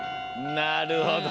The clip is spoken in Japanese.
なるほど。